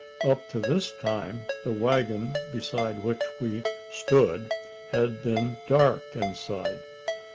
Up to this time, the waggon beside which we stood had been dark inside.